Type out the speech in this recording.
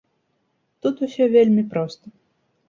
Тут усё вельмі проста.